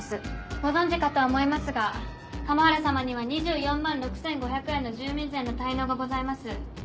ご存じかと思いますが加茂原さまには２４万６５００円の住民税の滞納がございます。